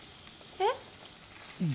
えっ？